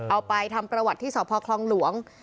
เอาไปทำประวัติที่สพคลองหลวง